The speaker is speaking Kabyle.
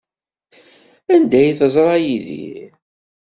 Anda ay teẓra Yidir?